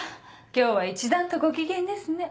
今日は一段とご機嫌ですね。